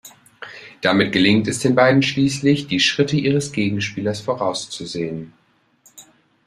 Damit gelingt es den beiden schließlich, die Schritte ihres Gegenspielers vorauszusehen.